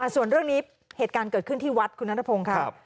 ส่วนเรื่องนี้เหตุการณ์เกิดขึ้นที่วัดคุณนัทพงศ์ค่ะ